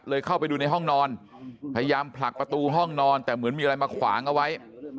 เข้าไปดูในห้องนอนพยายามผลักประตูห้องนอนแต่เหมือนมีอะไรมาขวางเอาไว้